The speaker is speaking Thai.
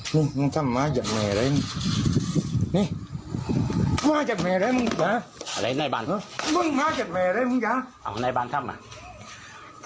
พางภาคเจ็ดแมวอะไรมึงอยาก